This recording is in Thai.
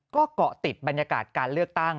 ก็เกาะติดบรรยากาศการเลือกตั้ง